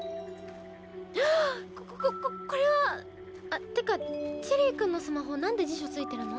こここれはてかチェリーくんのスマホなんで辞書ついてるの？